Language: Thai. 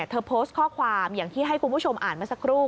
โพสต์ข้อความอย่างที่ให้คุณผู้ชมอ่านมาสักครู่